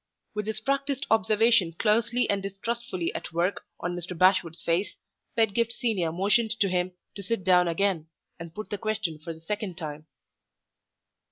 With his practiced observation closely and distrustfully at work on Mr. Bashwood' s face, Pedgift Senior motioned to him to sit down again, and put the question for the second time.